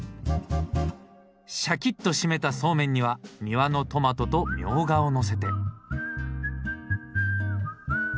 しゃきっと締めたそうめんには庭のトマトとミョウガをのせて。